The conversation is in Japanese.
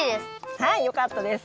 はいよかったです。